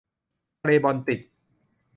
ทะเลบอลติก